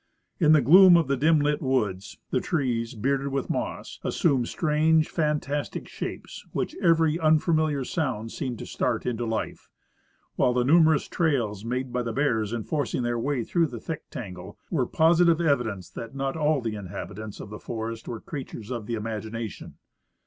* In the gloom of the dim lit woods, the trees, bearded with moss, as sumed strange, fantastic shapes, which every unfamiliar sound seemed to start into life ; while the numerous trails made by the bears in forcing their way through the" thick tangle were posi tive evidence that not all the inhabitants of the forest were crea tures of the imagination.